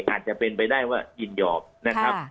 อาจจะเป็นไปได้ว่ายินยอมนะครับ